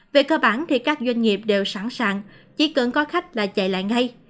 về cơ bản thì các doanh nghiệp đều sẵn sàng chỉ cần có khách là chạy lại ngay